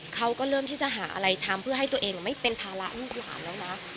เขาก็เริ่มที่จะหาอะไรทำเพื่อให้ตัวเองไม่เป็นภาระลูกหลานแล้วนะ